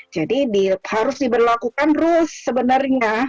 jadi harus diberlakukan ruse sebenarnya